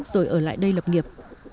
rồi ở lại đây lập nghiệp